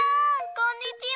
こんにちは。